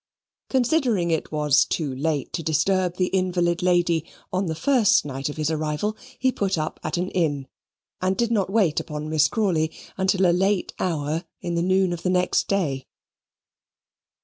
Considering it was too late to disturb the invalid lady on the first night of his arrival, he put up at an inn, and did not wait upon Miss Crawley until a late hour in the noon of next day.